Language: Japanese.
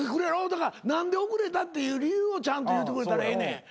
だから何で遅れたって理由をちゃんと言うてくれたらええねん。